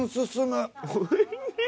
おいしい！